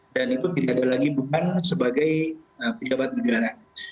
dan itu tidak lagi bukan sebagai pejabat negara